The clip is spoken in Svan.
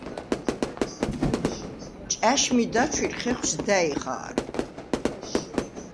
ჭა̈შმი დაჩუ̂ირ ხეხუ̂ს და̈ჲ ხა̄რ.